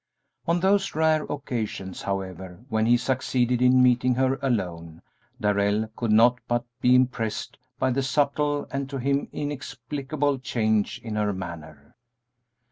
On those rare occasions, however, when he succeeded in meeting her alone, Darrell could not but be impressed by the subtle and to him inexplicable change in her manner.